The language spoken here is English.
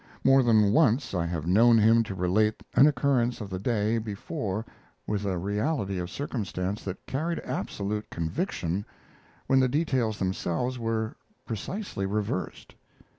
More than once I have known him to relate an occurrence of the day before with a reality of circumstance that carried absolute conviction, when the details themselves were precisely reversed.